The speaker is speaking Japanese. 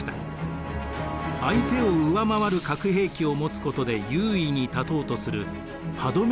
相手を上回る核兵器を持つことで優位に立とうとする歯止め